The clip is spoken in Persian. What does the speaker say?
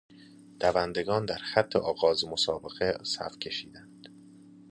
دوندگان در خط آغاز مسابقه صف کشیدند.